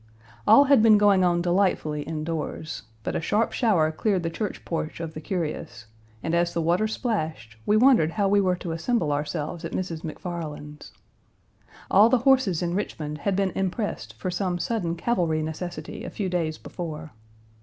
All had been going on delightfully in doors, but a sharp shower cleared the church porch of the curious; and, as the water splashed, we wondered how we were to assemble ourselves at Mrs. McFarland's. All the horses in Richmond had been impressed for some sudden cavalry necessity a few days before.